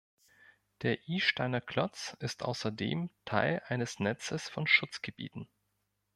Der Isteiner Klotz ist außerdem Teil eines Netzes von Schutzgebieten.